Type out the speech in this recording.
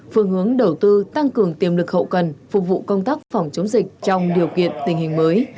phương hướng đầu tư tăng cường tiềm lực hậu cần phục vụ công tác phòng chống dịch trong điều kiện tình hình mới